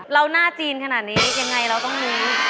หน้าจีนขนาดนี้ยังไงเราต้องรู้